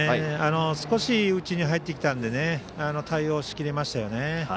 少し内に入ってきたんで対応しきりましたよね。